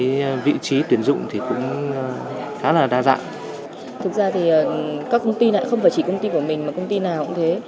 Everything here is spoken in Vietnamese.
thực ra thì các công ty này không phải chỉ công ty của mình mà công ty nào cũng thế